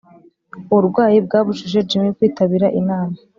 uburwayi bwabujije jim kwitabira inama.